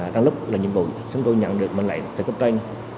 trong lúc làm nhiệm vụ chúng tôi nhận được mệnh lệnh từ cấp tranh